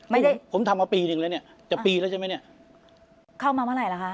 ไม่ได้ผมทำมาปีหนึ่งแล้วเนี้ยจะปีแล้วใช่ไหมเนี่ยเข้ามาเมื่อไหร่ล่ะคะ